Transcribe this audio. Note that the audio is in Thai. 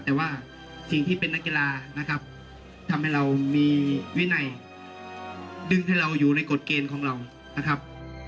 แต่ว่าสิ่งที่เป็นนักกีฬานะครับทำให้เรามีวินัยดึงให้เราอยู่ในกฎเกณฑ์ของเรานะครับ